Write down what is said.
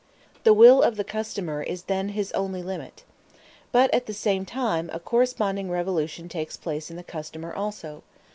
The will of the customer is then his only limit. But at the same time a corresponding revolution takes place in the customer also.